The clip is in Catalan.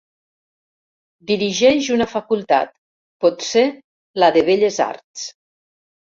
Dirigeix una facultat, potser la de Belles Arts.